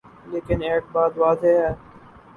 لیکن ایک بات واضح ہے۔